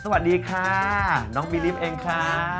สวัสดีค่ะน้องมีริมเองค่ะ